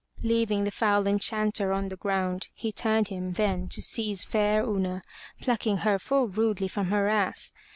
Leaving the foul enchanter on the ground, he turned him then to seize fair Una, plucking her full rudely from her ass.